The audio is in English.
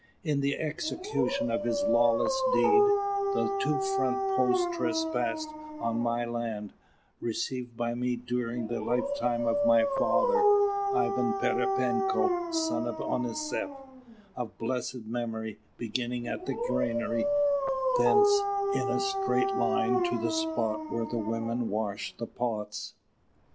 In the execution of his lawless deed, the two front posts trespassed on my land, received by me during the lifetime of my father, Ivan Pererepenko, son of Onisieff, of blessed memory, beginning at the granary, thence in a straight line to the spot where the women wash the pots.